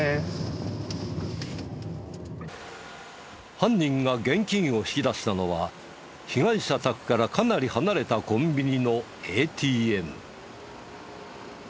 犯人が現金を引き出したのは被害者宅からかなり離れたコンビニのＡＴＭ。